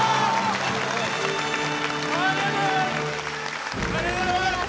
ありがとうございます